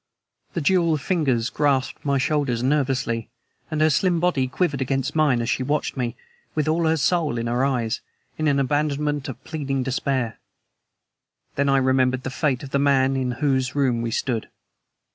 The jeweled fingers grasped my shoulders nervously, and her slim body quivered against mine as she watched me, with all her soul in her eyes, in an abandonment of pleading despair. Then I remembered the fate of the man in whose room we stood.